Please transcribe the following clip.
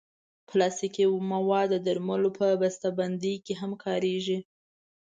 پلاستيکي مواد د درملو په بستهبندۍ کې هم کارېږي.